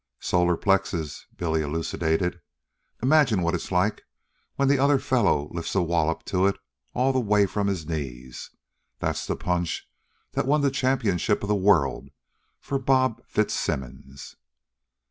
"Solar Plexus," Billy elucidated. "Imagine what it's like when the other fellow lifts a wallop to it all the way from his knees. That's the punch that won the championship of the world for Bob Fitzsimmons."